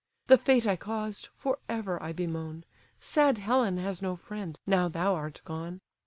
The fate I caused, for ever I bemoan; Sad Helen has no friend, now thou art gone!